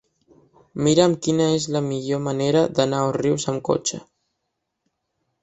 Mira'm quina és la millor manera d'anar a Òrrius amb cotxe.